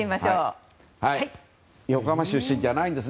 横浜市出身じゃないです。